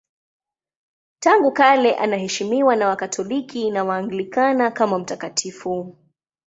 Tangu kale anaheshimiwa na Wakatoliki na Waanglikana kama mtakatifu.